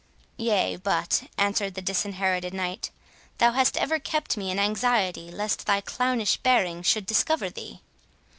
"Yea, but," answered the Disinherited Knight, "thou hast ever kept me in anxiety lest thy clownish bearing should discover thee."